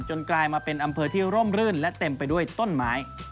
กลายมาเป็นอำเภอที่ร่มรื่นและเต็มไปด้วยต้นไม้